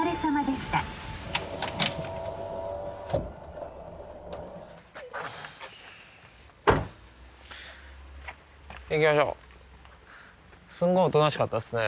すんごいおとなしかったですね